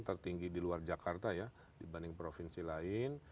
tertinggi di luar jakarta ya dibanding provinsi lain